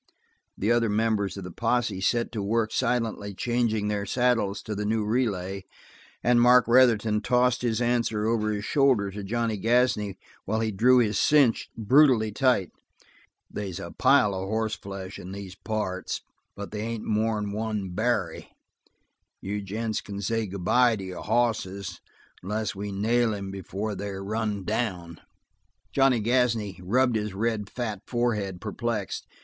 The other members of the posse set to work silently changing their saddles to the new relay, and Mark Retherton tossed his answer over his shoulder to Johnny Gasney while he drew his cinch brutally tight. "They's a pile of hoss flesh in these parts, but they ain't more'n one Barry. You gents can say good bye to your hosses unless we nail him before they're run down." Johnny Gasney rubbed his red, fat forehead, perplexed.